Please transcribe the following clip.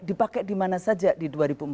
dipakai dimana saja di dua ribu empat belas